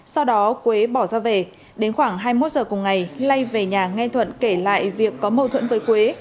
sau đó quế bỏ ra về đến khoảng hai mươi một giờ cùng ngày lay về nhà nghe thuận kể lại việc có mâu thuẫn với quế